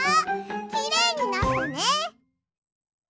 きれいになったね！